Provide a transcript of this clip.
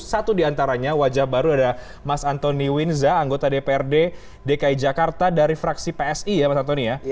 satu diantaranya wajah baru ada mas antoni winza anggota dprd dki jakarta dari fraksi psi ya mas antoni ya